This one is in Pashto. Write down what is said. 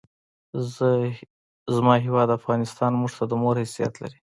زما هېواد افغانستان مونږ ته د مور حیثیت لري!